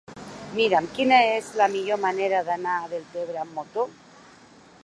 Mira'm quina és la millor manera d'anar a Deltebre amb moto.